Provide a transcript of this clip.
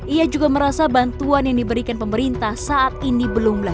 ia juga merasa bantuan yang diberikan pemerintah saat ini belum berakhir